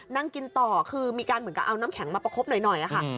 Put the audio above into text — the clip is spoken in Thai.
นั่งกินต่อคือมีการเหมือนกับเอาน้ำแข็งมาประคบหน่อยค่ะ